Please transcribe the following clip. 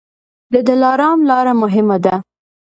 د دلارام لاره مهمه ده